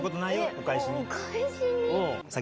お返しに？